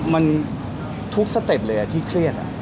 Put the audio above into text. มันทุกสเต็ปเลยที่เครียด